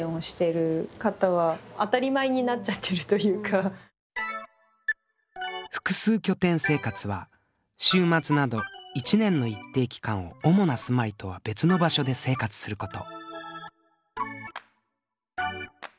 私は「複数拠点生活」は週末など１年の一定期間を主な住まいとは別の場所で生活すること。